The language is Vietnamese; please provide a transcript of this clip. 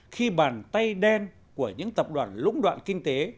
khi bàn tay đen của những tập đoàn lũng đoạn kinh tế